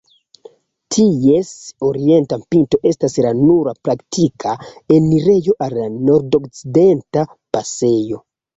Ties orienta pinto estas la nura praktika enirejo al la Nordokcidenta pasejo.